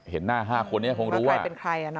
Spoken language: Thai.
เห็นหน้า๕คนเนี่ยคงรู้ว่า